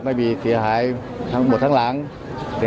ตราบใดที่ตนยังเป็นนายกอยู่